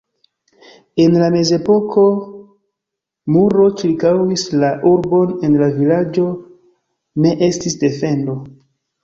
En la mezepoko muro ĉirkaŭis la urbon, en la vilaĝo ne estis defendo.